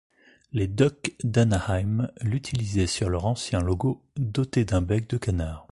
Les Ducks d'Anaheim l'utilisaient sur leur ancien logo, doté d'un bec de canard.